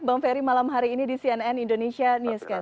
bang ferry malam hari ini di cnn indonesia newscast